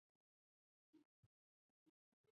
红磡站。